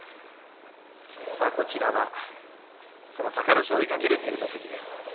こちらは、その隆の勝を追いかける照ノ富士です。